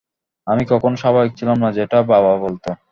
আমি কখনো স্বাভাবিক ছিলাম না যেটা বাবাও বলত।